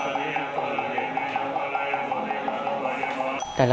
สวัสดีครับสวัสดีครับ